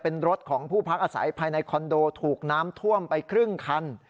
เป็นรถของผู้พักอาศัยภายในคอนโดถูกน้ำท่วมไปครึ่งคัน